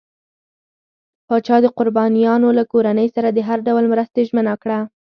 پاچا د قربانيانو له کورنۍ سره د هر ډول مرستې ژمنه کړه.